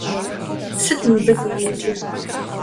Sıt mıbı zerêcer?